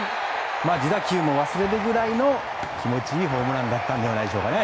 自打球も忘れるぐらいの気持ちのホームランだったんじゃないでしょうかね。